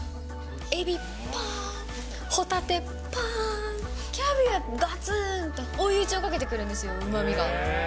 エビ、ぱー、ホタテ、ぱー、キャビアがつーんと、追い打ちをかけてくるんですよ、うまみが。